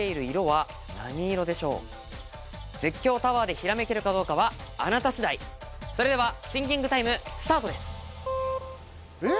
絶叫タワーで閃けるかどうかはあなたしだいそれではシンキングタイムスタートですえっ？